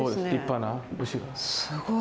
すごい。